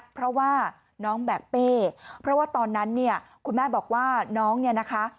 เพราะว่าน้องแบกเป้เพราะว่าตอนนั้นเนี่ยคุณแม่บอกว่าน้องเนี่ยนะคะ